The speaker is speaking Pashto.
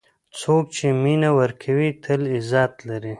څوک چې مینه ورکوي، تل عزت لري.